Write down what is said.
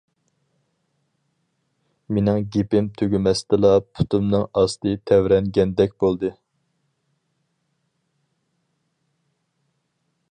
مىنىڭ گېپىم تۈگىمەستىلا پۇتۇمنىڭ ئاستى تەۋرەنگەندەك بولدى.